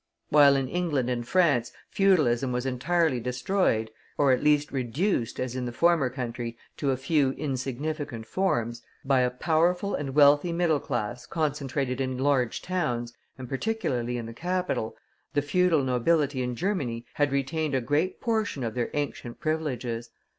While in England and France feudalism was entirely destroyed, or, at least, reduced, as in the former country, to a few insignificant forms, by a powerful and wealthy middle class, concentrated in large towns, and particularly in the capital, the feudal nobility in Germany had retained a great portion of their ancient privileges.